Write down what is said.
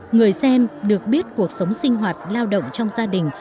người xem được biết cuộc sống sinh hoạt lao động trong gia đình